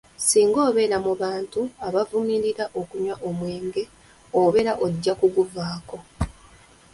"Singa obeera mu bantu abavumirira okunywa omwenge, obeera ojja kuguvaako."